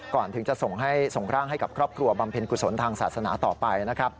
ถึงจะส่งร่างให้กับครอบครัวบำเพ็ญกุศลทางศาสนาต่อไปนะครับ